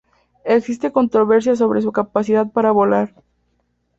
Existe controversia sobre su capacidad para volar.